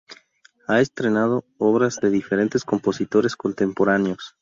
Ha estrenado obras de diferentes compositores contemporáneos.